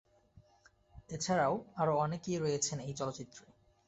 এছাড়াও আরও অনেকেই রয়েছেন এই চলচ্চিত্রে।